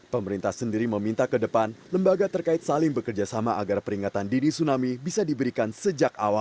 pemerintah sendiri meminta ke depan lembaga terkait saling bekerjasama agar peringatan dini tsunami bisa diberikan sejak awal